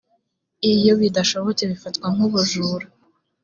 iyo bidashobotse bifatwa nkubujuru